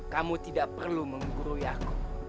kamu tidak perlu menggurui aku